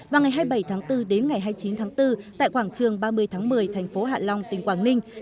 và ngày hai mươi bảy tháng bốn đến ngày hai mươi chín tháng bốn tại quảng trường ba mươi tháng một mươi thành phố hạ long tỉnh quảng ninh